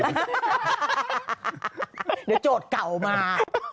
เดี๋ยวโจทย์เก่ามา